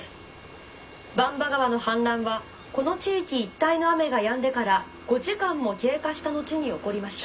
番場川の氾濫はこの地域一帯の雨がやんでから５時間も経過した後に起こりました。